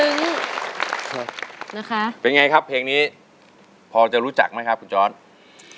นะครับเป็นไงครับเพลงนี้พอจะรู้จักไหมครับกูจ๊อต